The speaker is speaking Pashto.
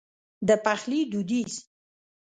د پخلي دوديز